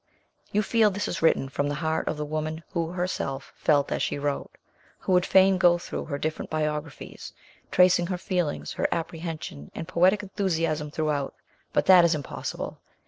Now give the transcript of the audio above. You feel this is written from the heart of the woman who herself felt as she wrote. We would fain go through her different biographies, tracing her feelings, her appreciation, and poetic enthusiasm throughout, but that is impossible.